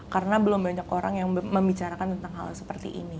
karena belum banyak orang yang membicarakan tentang hal seperti ini